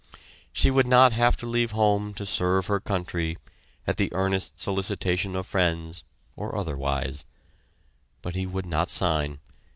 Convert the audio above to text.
She would not have to leave home to serve her country at "the earnest solicitation of friends" or otherwise. But he would not sign.